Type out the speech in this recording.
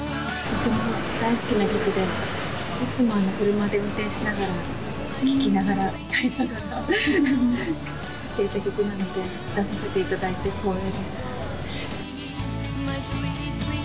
とても大好きな曲で、いつも車で運転しながら、聴きながら、歌いながらしていた曲なので、出させていただいて光栄です。